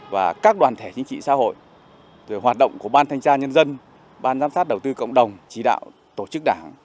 và các đoàn thể chính trị xã hội hoạt động của ban thanh tra nhân dân ban giám sát đầu tư cộng đồng chỉ đạo tổ chức đảng